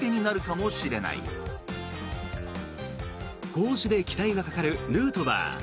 攻守で期待がかかるヌートバー。